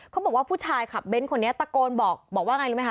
เขาบอกว่าผู้ชายขับเบนต์คนนี้ตะโกนบอกบอกว่าอย่างไรรู้ไหมคะ